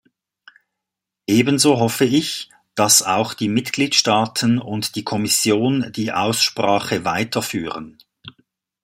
Ebenso hoffe ich, dass auch die Mitgliedstaaten und die Kommission die Aussprache weiterführen.